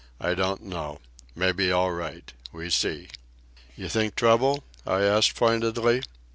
I don't know. Mebbe all right. We see." "You think trouble?" I asked pointedly.